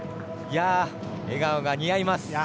笑顔が似合います。